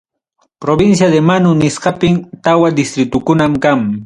Provincia de Manu nisqanpim, tawa distritukunam kan.